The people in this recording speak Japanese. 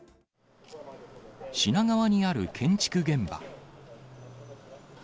品川にある建築現場。